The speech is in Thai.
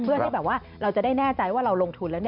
เพื่อที่แบบว่าเราจะได้แน่ใจว่าเราลงทุนแล้ว